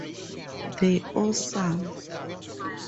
They’re awesome.